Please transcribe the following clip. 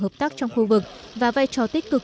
hợp tác trong khu vực và vai trò tích cực